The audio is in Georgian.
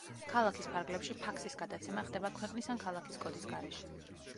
ქალაქის ფარგლებში ფაქსის გადაცემა ხდება ქვეყნის ან ქალაქის კოდის გარეშე.